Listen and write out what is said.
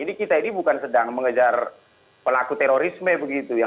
ini kita ini bukan sedang mengejar pelaku terorisme begitu ya